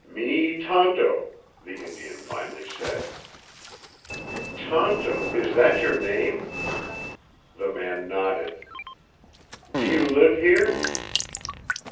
"Me Tonto," the Indian finally said. "Tonto is that your name?" The man nodded. "Do you live here?"